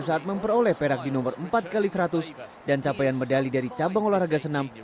saat memperoleh perak di nomor empat x seratus dan capaian medali dari cabang olahraga senam